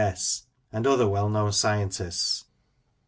S. ; and other well known scientists.